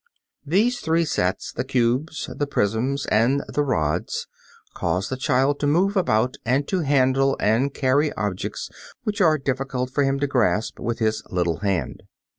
These three sets, the cubes, the prisms, and the rods, cause the child to move about and to handle and carry objects which are difficult for him to grasp with his little hand.